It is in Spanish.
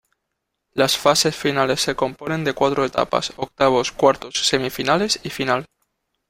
Las fases finales se componen de cuatro etapas: octavos, cuartos, semifinales y final.